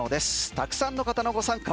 たくさんの方のご参加